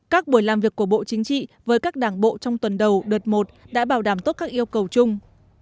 các buổi làm việc của bộ chính trị với các đảng bộ trong tuần đầu đợt một đã bảo đảm tốt các yêu cầu chung